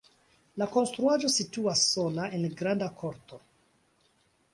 La konstruaĵo situas sola en granda korto.